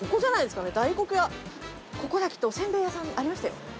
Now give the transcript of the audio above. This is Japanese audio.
ここだきっとおせんべい屋さんありましたよ。